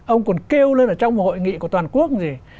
ông còn kêu lên ở trong một hội nghị của toàn quốc gì